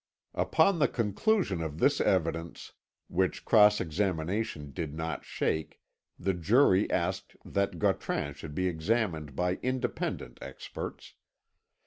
Upon the conclusion of this evidence, which cross examination did not shake, the jury asked that Gautran should be examined by independent experts.